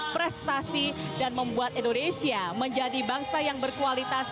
prestasi dan membuat indonesia menjadi bangsa yang berkualitas